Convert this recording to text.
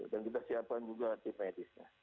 dan kita siapkan juga tipisnya